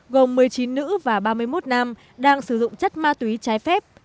gồm một mươi chín nữ và ba mươi một nam đang sử dụng chất ma túy trái phép